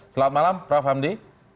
selamat malam prof hamdi